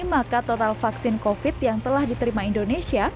maka total vaksin covid yang telah diterima indonesia